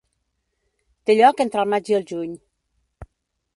Té lloc entre el maig i el juny.